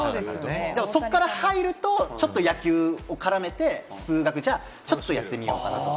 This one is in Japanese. そっから入ると、ちょっと野球を絡めて、数学をちょっとやってみようかなとか。